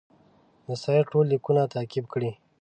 د سید ټول لیکونه تعقیب کړي.